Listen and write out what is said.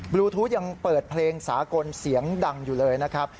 ลูทูธยังเปิดเพลงสากลเสียงดังอยู่เลยนะครับ